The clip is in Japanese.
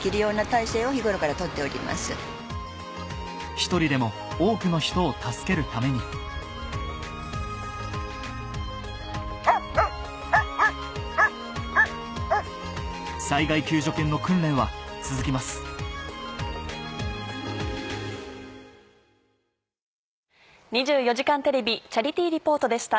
一人でも多くの人を助けるために災害救助犬の訓練は続きます「２４時間テレビチャリティー・リポート」でした。